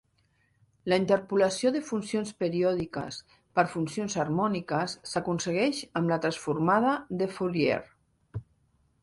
La interpolació de funcions periòdiques per funcions harmòniques s'aconsegueix amb la transformada de Fourier.